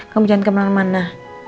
kamu jangan kemana mana